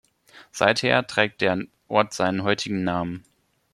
Seither trägt der Ort seinen heutigen Namen.